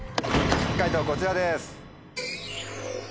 解答こちらです。